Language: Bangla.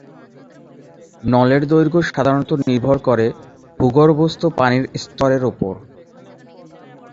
নলের দৈর্ঘ্য সাধারণত নির্ভর করে ভূগর্ভস্থ পানির স্তরের উপর।